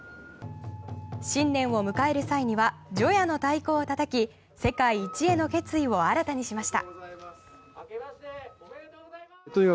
新年を迎える際には除夜の太鼓をたたき世界一への決意を新たにしました。